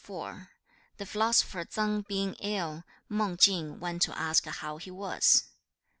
The philosopher Tsang being ill, Meng Chang went to ask how he was.